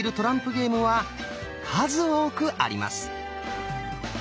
ゲームは数多くあります。